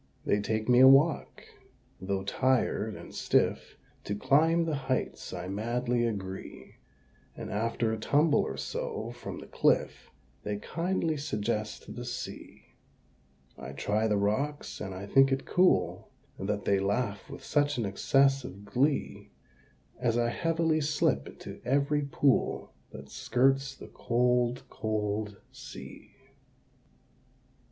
They take me a walk: though tired and stiff, To climb the heights I madly agree; And, after a tumble or so from the cliff, They kindly suggest the Sea. I try the rocks, and I think it cool That they laugh with such an excess of glee, As I heavily slip into every pool That skirts the cold cold Sea.